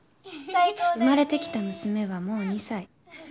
生まれてきた娘はもう２歳。